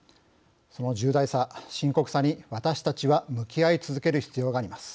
その重大さ、深刻さに私たちは向き合い続ける必要があります。